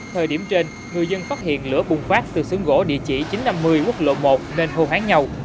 thời điểm trên người dân phát hiện lửa bùng phát từ sườn gỗ địa chỉ chín trăm năm mươi quốc lộ một nên hô hoán nhau